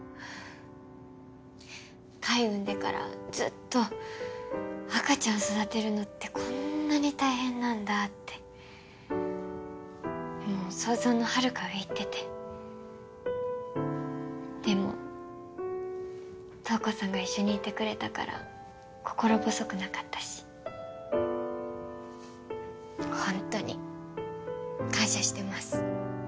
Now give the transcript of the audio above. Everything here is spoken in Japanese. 海産んでからずっと赤ちゃん育てるのってこんなに大変なんだってもう想像のはるか上いっててでも瞳子さんが一緒にいてくれたから心細くなかったし本当に感謝してます